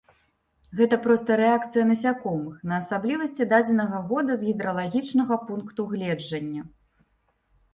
Гэта проста рэакцыя насякомых на асаблівасці дадзенага года з гідралагічнага пункту гледжання.